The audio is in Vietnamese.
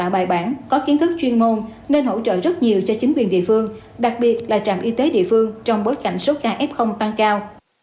bài bản có kiến thức chuyên môn nên hỗ trợ rất nhiều cho chính quyền địa phương đặc biệt là trạm y tế địa phương trong bối cảnh số ca f tăng cao